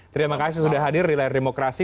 terima kasih sudah hadir di layar demokrasi